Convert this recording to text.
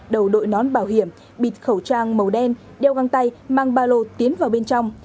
đầu đội nón bảo hiểm bịt khẩu trang màu đen đeo găng tay mang ba lô tiến vào bên trong